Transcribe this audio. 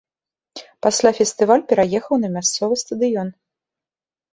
Пасля фестываль пераехаў на мясцовы стадыён.